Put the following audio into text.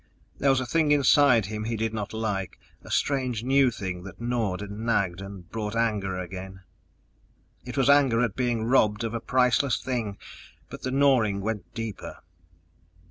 There was a thing inside him he did not like, a strange new thing that gnawed and nagged and brought anger again. It was anger at being robbed of a priceless thing but the gnawing went deeper.